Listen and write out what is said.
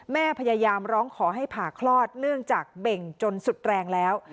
พยายามร้องขอให้ผ่าคลอดเนื่องจากเบ่งจนสุดแรงแล้ว